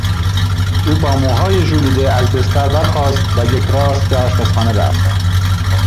او با موهای ژولیده از بستر برخاست و یکراست به آشپزخانه رفت.